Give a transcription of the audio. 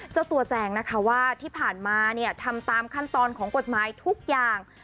เจ้าตัวแจงนะคะว่าที่ผ่านมาเนี่ยทำตามขั้นตอนของกฎหมายทุกอย่าง